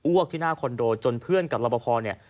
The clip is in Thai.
วกที่หน้าคอนโดจนเพื่อนกับรอปภเนี่ย